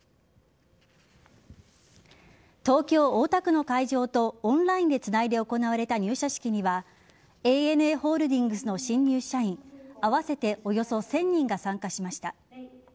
東京・大田区の会場とオンラインでつないで行われた入社式にはＡＮＡホールディングスの新入社員合わせておよそ１０００人が参加しました。